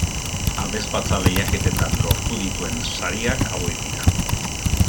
Abesbatza-lehiaketetan lortu dituen sariak hauek dira.